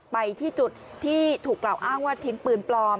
ไปที่จุดที่ถูกกล่าวอ้างว่าทิ้งปืนปลอม